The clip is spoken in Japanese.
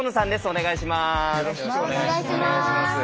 お願いします。